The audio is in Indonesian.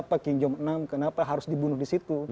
apa king jom enam kenapa harus dibunuh di situ